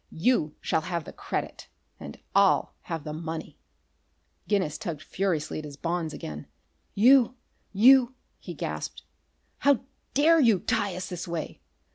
You shall have the credit, and I'll have the money." Guinness tugged furiously at his bonds again. "You you " he gasped. "How dare you tie us this way!